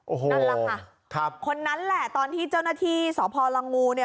โอ้โหฮอัลลักษณ์ฮะครับได้ใครตั้งแต่ที่เจ้าหน้าที่สหพลงู